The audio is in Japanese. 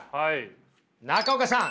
中岡さん